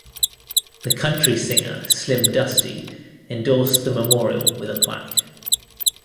The country singer, Slim Dusty, endorsed the memorial with a plaque.